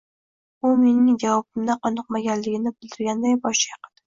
U mening javobimdan qoniqmaganligini bildirganday bosh chayqadi